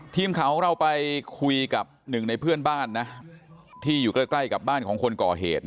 ทีมข่าวของเราไปคุยกับหนึ่งในเพื่อนบ้านนะที่อยู่ใกล้กับบ้านของคนก่อเหตุ